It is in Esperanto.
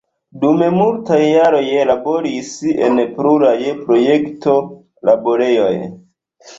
Dum multaj jaroj laboris en pluraj projekto-laborejoj.